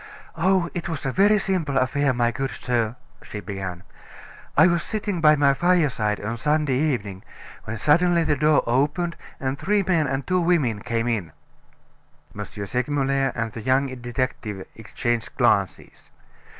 "Oh, it was a very simple affair, my good sir," she began. "I was sitting by my fireside on Sunday evening, when suddenly the door opened, and three men and two women came in." M. Segmuller and the young detective exchanged glances.